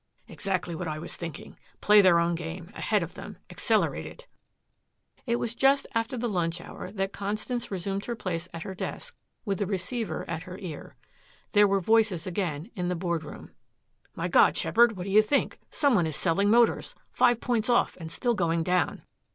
"Exactly what I was thinking. Play their own game ahead of them accelerate it." It was just after the lunch hour that Constance resumed her place at her desk with the receiver at her ear. There were voices again in the board room. "My God, Sheppard, what do you think? Someone is selling Motors five points off and still going down."